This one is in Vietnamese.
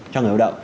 cho người lao động